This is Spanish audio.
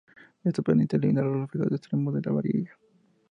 Esto permite eliminar los reflejos de los extremos de la varilla.